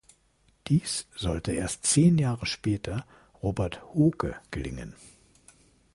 Dies sollte erst zehn Jahre später Robert Hooke gelingen.